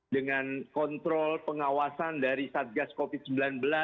dengan kontrol pengawasan dari satgas covid sembilan belas